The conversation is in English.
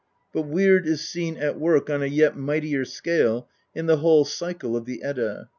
But Weird is seen at work on a yet mightier scale in the whole cycle of the Edda.